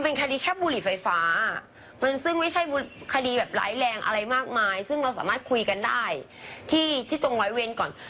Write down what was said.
มันไม่ใช่บุคลีแบบไร้แรงอะไรมากมายซึ่งเราสามารถคุยกันได้ที่ตรงรอยเวนก่อน